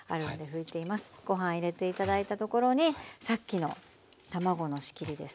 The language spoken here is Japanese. ご飯入れて頂いたところにさっきの卵の仕切りですね。